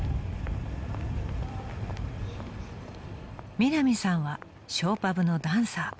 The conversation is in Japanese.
［みなみさんはショーパブのダンサー］